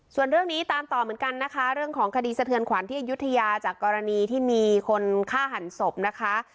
ส่วนเรื่องนี้ตามต่อเหมือนกันนะคะเรื่องของคดีสะเทือนขวัญที่อายุทยาจากกรณีที่มีคนฆ่าหันศพนะคะ